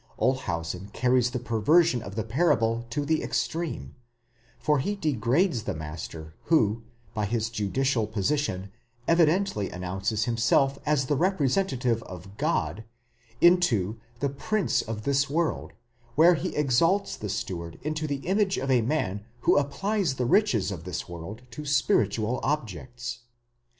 4* Olshausen carries the perversion of the parable to the extreme, for he degrades the master, who, by his judicial position evidently announces himself as the representative of God, into ἄρχων τοῦ κόσμου τούτου, the prince of this world, while he exalts the steward into the image of a man who applies the riches of this world to spiritual objects.